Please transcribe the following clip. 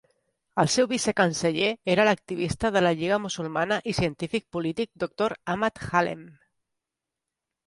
El seu vicecanceller era l'activista de la Lliga Musulmana i científic polític Doctor Ahmad Haleem.